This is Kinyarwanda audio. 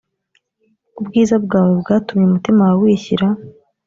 ubwiza bwawe bwatumye umutima wawe wishyira